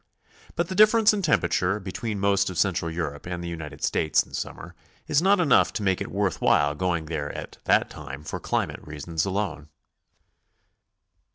But the difference in temperature between most of Central Europe and the United States in summer is not enough to make it worth while going there at that time for climatic reasons alone.